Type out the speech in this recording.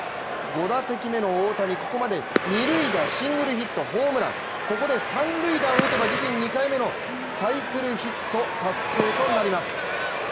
５打席目の大谷、ここまで二塁打、シングルヒット、ホームランここで３塁打を出せば自信２度目のサイクルヒット達成となります。